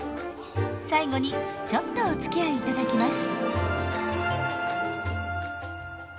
最後にちょっとおつきあい頂きます。